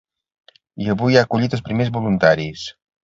I avui ha acollit els primers voluntaris.